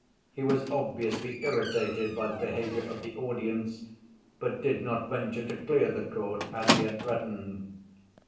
He was obviously irritated by the behavior of the audience, but did not venture to clear the court as he had threatened.